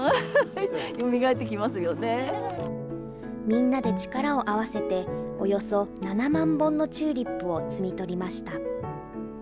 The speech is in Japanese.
みんなで力を合わせて、およそ７万本のチューリップを摘み取りました。